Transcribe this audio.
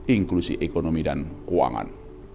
inklusi ekonomi dan keuangan